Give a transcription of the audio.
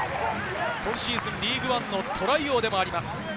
今シーズン、リーグワンのトライ王でもあります。